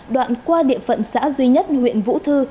đoạn qua địa phận xã duy nhất huyện vũ thư